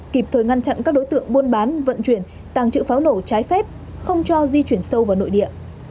kịp thời ngăn chặn các đối tượng buôn bán vận chuyển tàng trữ pháo nổ trái phép không cho di chuyển sâu vào nội địa